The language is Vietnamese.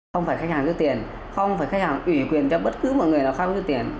không phải khách hàng giữ tiền không phải khách hàng ủy quyền cho bất cứ một người nào khác giữ tiền